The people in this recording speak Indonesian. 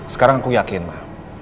sekarang aku yakin ma